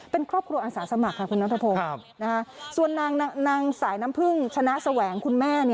เป็นครอบครัวอาสาสมัครค่ะคุณนัทพงศ์ส่วนนางสายน้ำพึ่งชนะแสวงคุณแม่